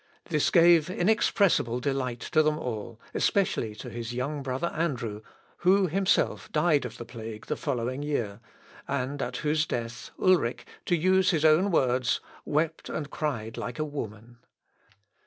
This gave inexpressible delight to them all, especially to his young brother Andrew, who himself died of the plague the following year, and at whose death Ulric, to use his own words, wept and cried like a woman.